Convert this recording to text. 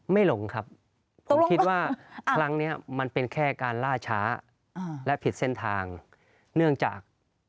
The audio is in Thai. หลงครับผมคิดว่าครั้งนี้มันเป็นแค่การล่าช้าและผิดเส้นทางเนื่องจาก